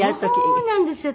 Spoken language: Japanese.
そうなんですよ。